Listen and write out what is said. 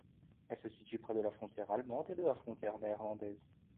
Elle se situe près de la frontière allemande et de la frontière néerlandaise.